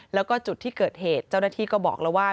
แล้วก็จุดที่เกิดเหตุเจ้าหน้าที่ก็บอกแล้วว่า